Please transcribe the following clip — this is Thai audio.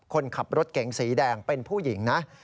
คนขับรถเก๋งสีแดงเป็นผู้หญิงนะ